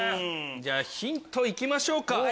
じゃあヒント行きましょうか。